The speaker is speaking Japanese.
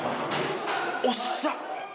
おっしゃ！